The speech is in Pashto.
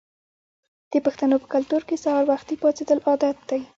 د پښتنو په کلتور کې سهار وختي پاڅیدل عادت دی.